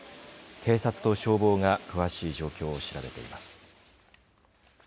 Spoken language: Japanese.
警察と消防が詳しい状況を調べています。